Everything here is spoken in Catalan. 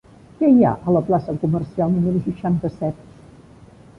Què hi ha a la plaça Comercial número seixanta-set?